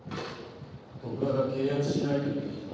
徳田が契約しないと言って来た。